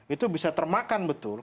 itu bisa termakan betul